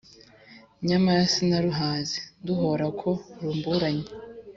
Nyamara sinaruhaze nduhora ko rumburanya;